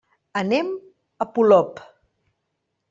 Anem a Polop.